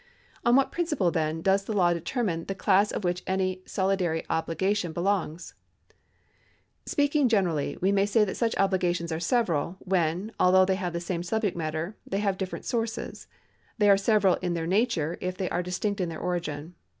On what principle, then, does the law determine the class of which any solidary obligation belongs ? Speaking gene rally, we may say that such obligations are several, when, although they have the same subject matter, they have different sources ; they are several in their nature, if they are distinct in their origin.